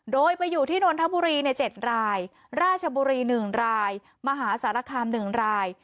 โดยไปอยู่ที่นทบุรีเนี่ยเจ็ดรายราชบุรีหนึ่งรายมหาสารคามหนึ่งราย